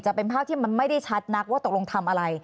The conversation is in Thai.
จะเป็นภาพที่มันไม่ได้ชัดนักว่าตกลงทำอะไร